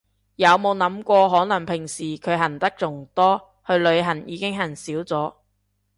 有冇諗過可能平時佢行得仲多，去旅行已經行少咗